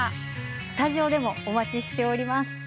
スタジオでもお待ちしております。